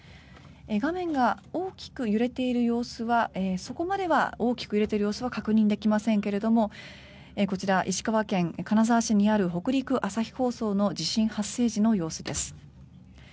画面が大きく揺れている様子はそこまで大きく揺れている様子は確認できませんけれどもこちら、石川県金沢市にある北陸朝日放送の地震発生時の様子です。